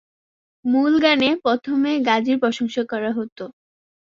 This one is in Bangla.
মূল গানে প্রথমে গাজীর প্রশংসা করা হতো।